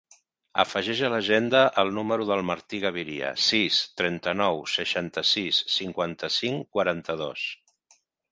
Afegeix a l'agenda el número del Martí Gaviria: sis, trenta-nou, seixanta-sis, cinquanta-cinc, quaranta-dos.